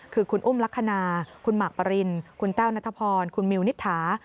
คือคุณอุ้มลักษณะคุณหมากปรินคุณแต้วนัทพรคุณมิวนิษฐา